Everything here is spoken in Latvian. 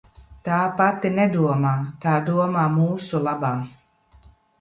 Tā pati nedomā, tā domā mūsu labā.